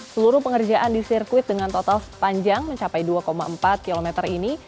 seluruh pengerjaan di sirkuit dengan total panjang mencapai dua empat km ini